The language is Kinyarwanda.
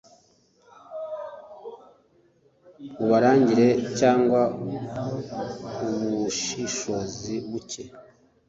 N uburangare cyangwa ubushishozi bucye